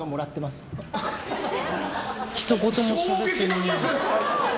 ひと言もしゃべってないのに。